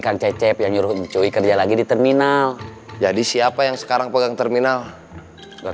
kang cecep yang nyuruh coy kerja lagi di terminal jadi siapa yang sekarang pegang terminal dan